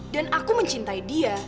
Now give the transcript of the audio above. dan aku mencintai dia